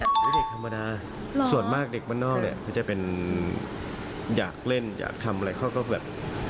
เด็กธรรมดาส่วนมากเด็กบ้านนอกจะเป็นอยากเล่นอยากทำอะไรข้อก็แบบ